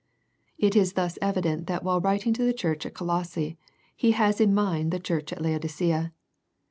It is thus evident that while writing to the church at Colosse, he has in mind the church at Lao dicea.